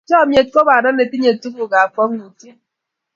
chamiet ko banda netinye tuguk ab kwangutiet